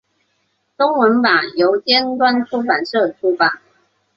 中文版由尖端出版社出版。